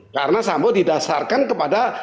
karena sama didasarkan kepada